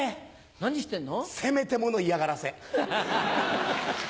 何してんの？